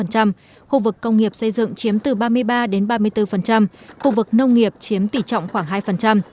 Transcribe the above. sáu mươi bốn sáu mươi năm khu vực công nghiệp xây dựng chiếm từ ba mươi ba ba mươi bốn khu vực nông nghiệp chiếm tỷ trọng khoảng hai